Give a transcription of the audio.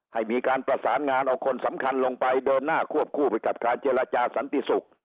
ให้มีการประสานงานเอาคนสำคัญลงไปเดินหน้าควบคู่ไปกับการเจรจาสันติศุกร์